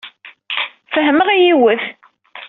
Fehmeɣ yiwet.